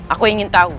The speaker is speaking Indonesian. aku ingin tahu